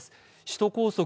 首都高速